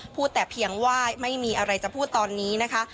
พูดแต่เพียงว่าไม่มีอะไรจะพูดตอนนี้นะคะ